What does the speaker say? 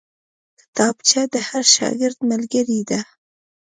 کتابچه د هر شاګرد ملګرې ده